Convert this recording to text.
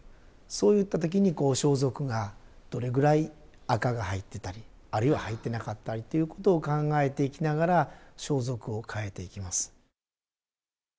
そういった時にこう装束がどれぐらい紅が入ってたりあるいは入ってなかったりということを考えていきながら装束を変えていきます。